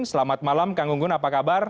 selamat malam kang gunggun apa kabar